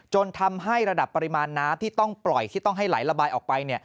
จนทำให้ระดับปริมาณน้ำที่ต้องปล่อยที่ต้องให้ไหลระบายออกไป